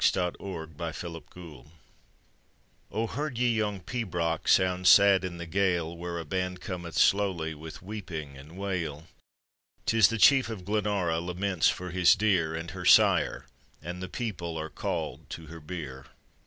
It is taken from Poetical Workt,] Oh, heard ye yon pibroch sound sad in the gale, Where a band cometh slowly with weeping and wail? "fis the chief of Glenara laments for his dear; And her sire, and the people, are call'd to her bier.